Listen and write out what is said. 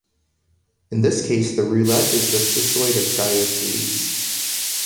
In this case the roulette is the cissoid of Diocles.